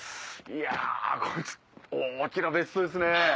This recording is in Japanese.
いや大きな別荘ですね。